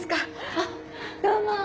あっどうも。